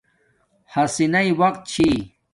ہسی ناݵ وقت چھی